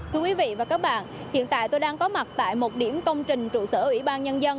quý vị và các bạn hiện tại tôi đang có mặt tại một điểm công trình trụ sở ủy ban nhân dân